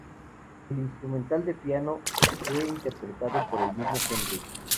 El instrumental de piano fue interpretado por el mismo Henry.